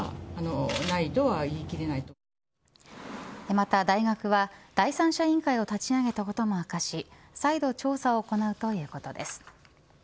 また、大学は第三者委員会を立ち上げたことも明かし再度調査を行うということです。